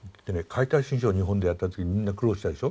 「解体新書」を日本でやった時にみんな苦労したでしょ。